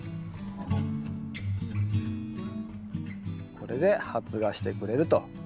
これで発芽してくれると。